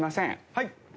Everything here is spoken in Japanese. はい。